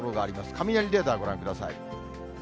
雷レーダーご覧ください。